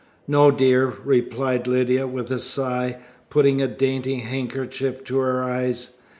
"No, dear," replied Lydia, with a sigh, putting a dainty handkerchief to her eyes.